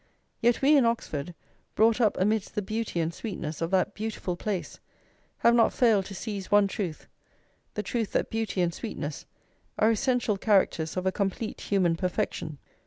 Yet we in Oxford, brought up amidst the beauty and sweetness of that beautiful place, have not failed to seize one truth: the truth that beauty and sweetness are essential characters of a complete human perfection.